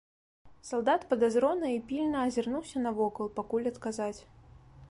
Салдат падазрона і пільна азірнуўся навокал, пакуль адказаць.